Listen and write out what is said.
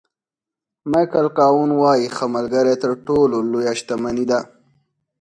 مایکل کاون وایي ښه ملګری تر ټولو لویه شتمني ده.